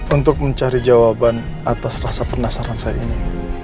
untuk mencari jawaban atas rasa penasaran saya ini